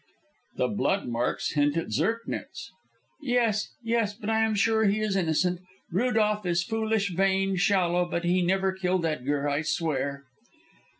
"The blood marks hint at Zirknitz." "Yes, yes, but I am sure he is innocent. Rudolph is foolish, vain, shallow, but he never killed Edgar, I swear."